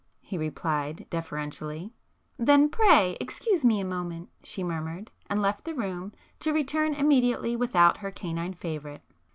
he replied, deferentially. "Then pray excuse me a moment!" she murmured, and left the room, to return immediately without her canine favorite.